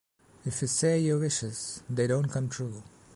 If you say your wishes, they don’t come true.